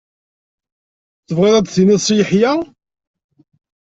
Tebɣiḍ a d-tiniḍ Si Yeḥya?